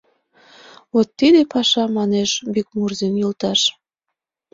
«Вот тиде паша!» — манеш Бикмурзин йолташ.